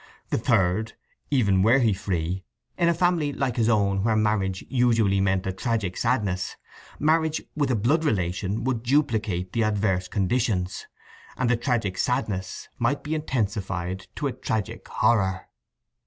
The third: even were he free, in a family like his own where marriage usually meant a tragic sadness, marriage with a blood relation would duplicate the adverse conditions, and a tragic sadness might be intensified to a tragic horror.